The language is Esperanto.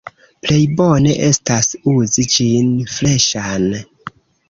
Plej bone estas uzi ĝin freŝan.